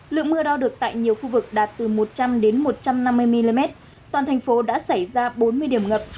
lượng mưa đo được tại nhiều khu vực đạt từ một trăm linh đến một trăm năm mươi mm toàn thành phố đã xảy ra bốn mươi điểm ngập